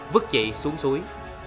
vứt chị xuống suối